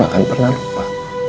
aku gak akan pernah lupa